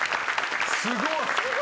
すごい。